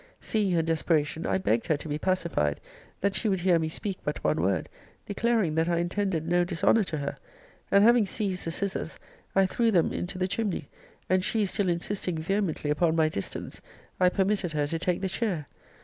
Seeing her desperation, I begged her to be pacified; that she would hear me speak but one word; declaring that I intended no dishonour to her: and having seized the scissors, I threw them into the chimney; and she still insisting vehemently upon my distance, I permitted her to take the chair.